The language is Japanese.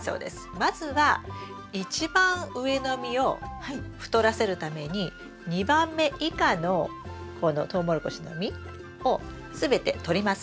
まずは一番上の実を太らせるために２番目以下のこのトウモロコシの実を全て取ります。